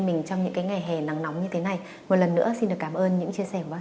mình trong những cái ngày hè nắng nóng như thế này một lần nữa xin được cảm ơn những chia sẻ của anh